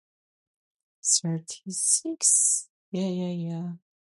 When it lands, it will jerk the tail forcefully just like a wagtail.